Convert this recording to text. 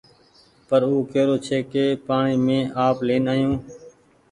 پر او ڪيرو ڇي ڪي پآڻيٚ مينٚ آپ لين آيون